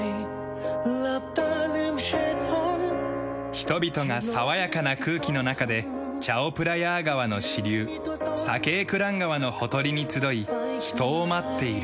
人々が爽やかな空気の中でチャオプラヤー川の支流サケークラン川のほとりに集い人を待っている。